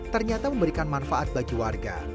ternyata memberikan manfaat bagi warga